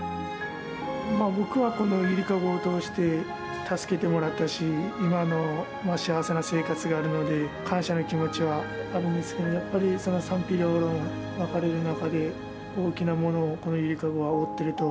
僕はこのゆりかごを通して、助けてもらったし、今の幸せな生活があるので、感謝の気持ちはあるんですけど、やっぱり賛否両論分かれる中で、大きなものをこのゆりかごは負ってると。